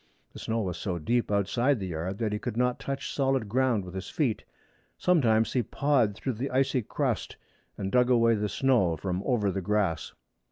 The snow was so deep outside the yard that he could not touch solid ground with his feet. Sometimes he pawed through the icy crust, and dug away the snow from over the grass.